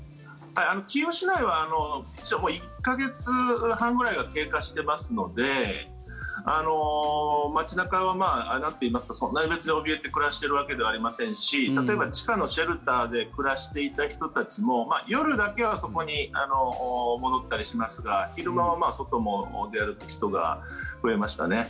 キーウ市内は１か月半ぐらい経過していますので街中はそんなに別におびえて暮らしているわけではありませんし地下のシェルターで暮らしていた人たちも夜だけはそこに戻ったりしますが昼間は外を出歩く人も増えましたね。